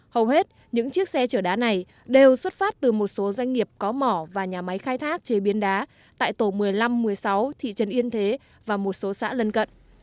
hầu hết những chiếc xe chở đá này đều xuất phát từ một số doanh nghiệp có mỏ và nhà máy khai thác chế biến đá tại tổ một mươi năm một mươi sáu thị trấn yên thế và một số xã lân cận